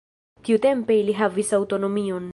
Tiutempe ili havis aŭtonomion.